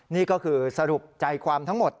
นี่ก็คือสรุปใจความทั้งหมด